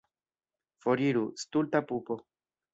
Foriru, stulta pupo!